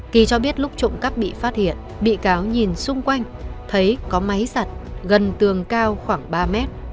ki cho biết lúc trộm cắp bị phát hiện bị cáo nhìn xung quanh thấy có máy sặt gần tường cao khoảng ba m